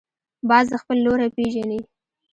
باز خپل لوری پېژني